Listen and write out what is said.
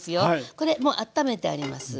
これもうあっためてあります。